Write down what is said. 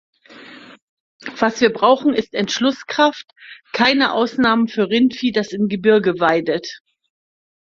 Was wir brauchen, ist Entschlusskraft, keine Ausnahmen für Rindvieh, das im Gebirge weidet.